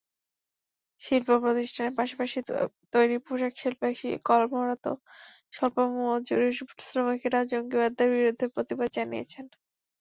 শিল্পপ্রতিষ্ঠানের পাশাপাশি তৈরি পোশাকশিল্পে কর্মরত স্বল্প মজুরির শ্রমিকেরাও জঙ্গিবাদের বিরুদ্ধে প্রতিবাদ জানিয়েছেন।